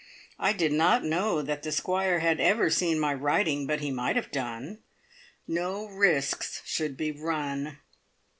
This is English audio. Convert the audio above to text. I did not know that the Squire had ever seen my writing, but he might have done. No risks should be run.